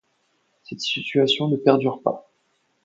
Cette situation ne perdure pas.